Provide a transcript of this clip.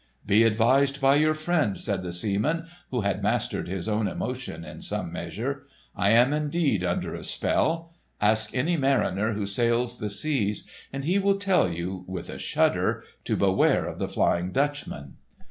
"Be advised by your friend," said the seaman, who had mastered his own emotion in some measure. "I am indeed under a spell. Ask any mariner who sails the seas, and he will tell you, with a shudder, to beware of the Flying Dutchman!"